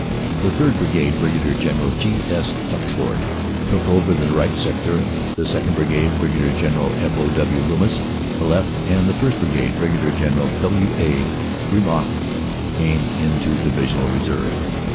The 3rd. Brigade, Brig. General G. S. Tuxford, took over the right sector, the 2nd. Brigade, Brig. General F. O. W. Loomis, the left, and the 1st. Brigade, Brig. General W. A. Griesbach, came into Divisional Reserve.